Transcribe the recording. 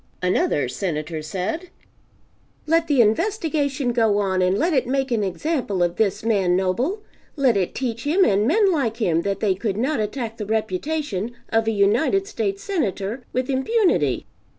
Another Senator said, "Let the investigation go on and let it make an example of this man Noble; let it teach him and men like him that they could not attack the reputation of a United States Senator with impunity."